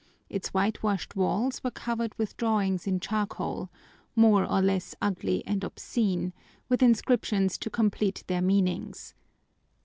Its whitewashed walls were covered with drawings in charcoal, more or less ugly and obscene, with inscriptions to complete their meanings.